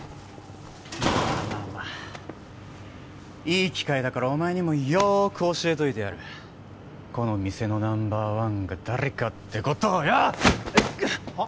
まあまあまあまあいい機会だからお前にもよく教えといてやるこの店のナンバーワンが誰かってことをよ！